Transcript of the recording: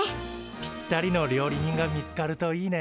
ぴったりの料理人が見つかるといいね。